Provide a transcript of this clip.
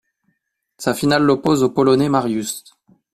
Sa finale l’oppose au Polonais Mariusz.